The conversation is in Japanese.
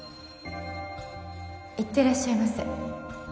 いってらっしゃいませ